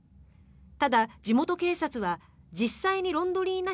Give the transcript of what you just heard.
ただ、地元警察は実際にロンドリーナ